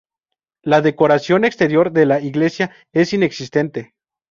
La decoración exterior de la iglesia es inexistente.